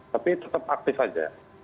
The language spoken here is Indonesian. tapi tetap aktif saja